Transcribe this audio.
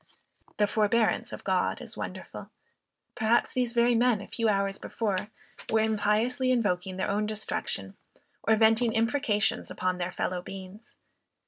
The forbearance of God is wonderful. Perhaps these very men a few hours before, were impiously invoking their own destruction, or venting imprecations upon their fellow beings!